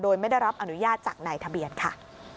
โดยไม่ได้รับอนุญาตจากนายทะเบียนค่ะ